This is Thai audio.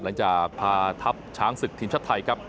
หลังจากพาทัพช้างศึกทีมชาติไทยครับ